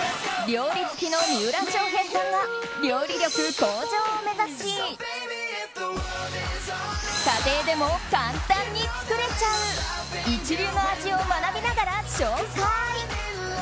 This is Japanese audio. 料理好きの三浦翔平さんが料理力向上を目指し家庭でも簡単に作れちゃう一流の味を学びながら紹介。